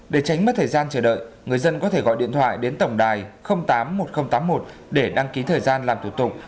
để tránh mất thời gian chờ đợi người dân có thể gọi điện thoại đến tổng đài tám mươi một nghìn tám mươi một để đăng ký thời gian làm thủ tục